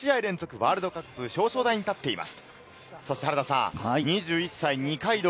ワールドカップ表彰台に立っています。